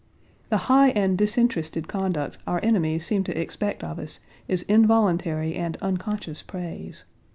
The high and disinterested conduct our enemies seem to expect of us is involuntary and unconscious praise.